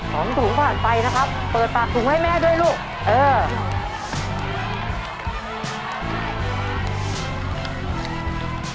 ถุงผ่านไปนะครับเปิดปากถุงให้แม่ด้วยลูกเออ